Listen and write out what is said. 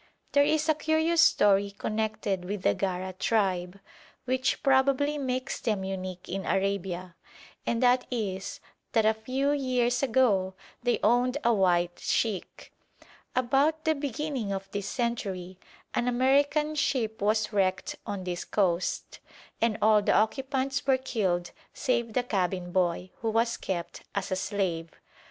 There is a curious story connected with the Gara tribe, which probably makes them unique in Arabia, and that is, that a few years ago they owned a white sheikh. About the beginning of this century an American ship was wrecked on this coast, and all the occupants were killed save the cabin boy, who was kept as a slave.